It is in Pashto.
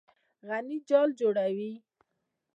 غڼې جال جوړوي.